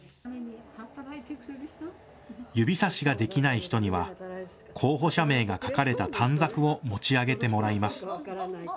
指さしができない人には候補者名が書かれた短冊を持ち上げてもらいます。